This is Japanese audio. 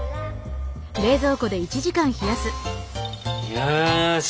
よし。